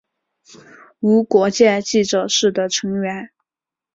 无国界记者是的成员。